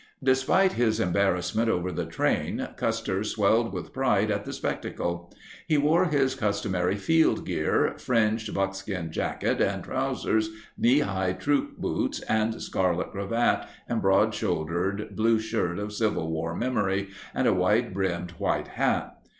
Despite his embarrassment over the train, Custer swelled with pride at the spectacle. He wore his customary field gear— fringed buckskin jacket and trousers, knee high troop boots, the scarlet cravat and broad collared blue shirt of Civil War memory, and a wide brimmed white hat.